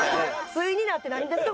対になってなんですか？